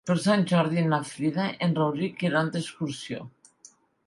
Per Sant Jordi na Frida i en Rauric iran d'excursió.